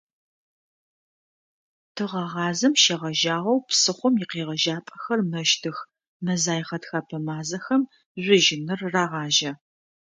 Тыгъэгъазэм щегъэжьагъэу псыхъом икъежьапӏэхэр мэщтых, мэзай – гъэтхэпэ мазэхэм жъужьыныр рагъажьэ.